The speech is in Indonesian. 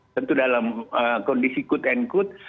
tentu dalam kondisi kut en kut